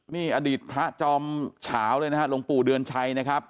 นี่อดีตพระจอมเฉาเลยนะฮะหลวงปู่เดือนชัยนะครับ